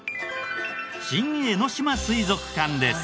新江ノ島水族館です。